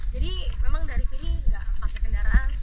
jadi memang dari sini tidak pakai kendaraan